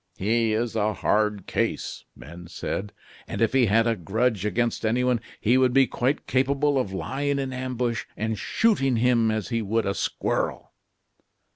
"He is a hard case," men said; "and if he had a grudge against anyone, he would be quite capable of lying in ambush and shooting him as he would a squirrel."